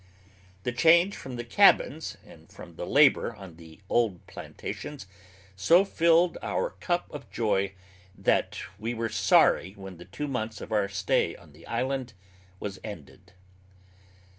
The change from the cabins and from the labor on the old plantations so filled our cup of joy that we were sorry when the two months of our stay on the island was ended.